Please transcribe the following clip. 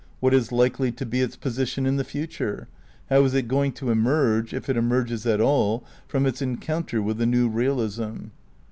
What is likely to be its position in the future? me How is it going to emerge, if it emerges at all, from its ^o^"" encounter with the New Realism?